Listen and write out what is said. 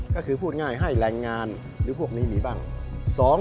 ก็คือพูดง่ายให้แรงงานหรือพวกนี้มีบ้าง